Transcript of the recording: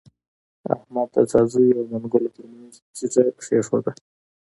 احمد د ځاځيو او منلګو تر منځ تيږه کېښوده.